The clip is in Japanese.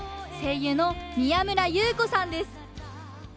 声優の宮村優子さんです